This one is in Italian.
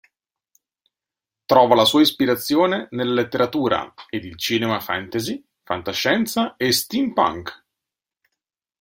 Trova la sua ispirazione nella letteratura ed il cinema fantasy, fantascienza e steampunk.